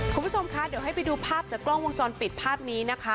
คุณผู้ชมคะเดี๋ยวให้ไปดูภาพจากกล้องวงจรปิดภาพนี้นะคะ